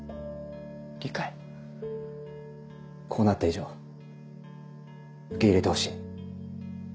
こうなった以上受け入れてほしい。